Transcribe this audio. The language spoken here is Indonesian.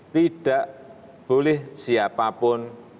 tidak boleh siapapun meminta data pajak ini